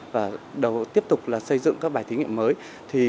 và tiếp tục là xây dựng các bài thí nghiệm mới